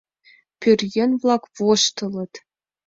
Пӧръеҥ-влак воштылыт.